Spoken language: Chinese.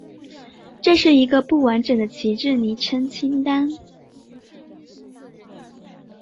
这是一个不完整的旗帜昵称清单。